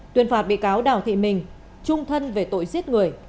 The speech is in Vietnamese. tuyên phạt bị cáo đào thị mình trung thân về tội giết người